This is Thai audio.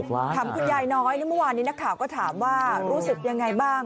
ถามคุณยายน้อยเมื่อวานนี้นักข่าวก็ถามว่ารู้สึกยังไงบ้าง